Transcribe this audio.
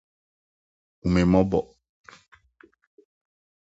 Hu me mmɔbɔ.